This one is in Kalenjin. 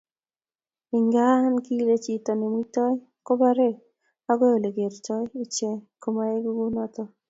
ingaa kilen chito nemuitoi koboore, ago olegertoi iche komaegu kunoto